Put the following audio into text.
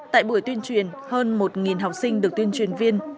tại buổi tuyên truyền hơn một học sinh được tuyên truyền viên